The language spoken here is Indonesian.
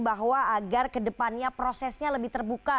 bahwa agar ke depannya prosesnya lebih terbuka